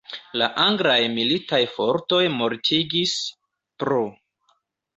La anglaj militaj fortoj mortigis pr.